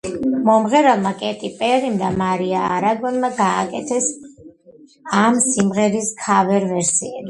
მომღერალმა კეტი პერიმ და მარია არაგონმა გააკეთეს ამ სიმღერის ქავერ ვერსიები.